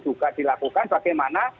juga dilakukan bagaimana